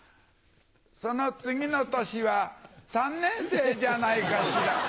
その次の年は３年生じゃないかしら。